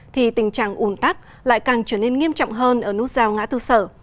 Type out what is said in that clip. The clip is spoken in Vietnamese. thì tình trạng ủn tắc lại càng trở nên nghiêm trọng hơn ở nút giao ngã tư sở